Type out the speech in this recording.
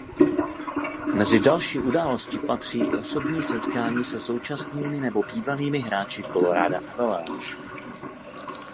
Mezi další události patří i osobní setkání se současnými nebo bývalými hráči Colorada Avalanche.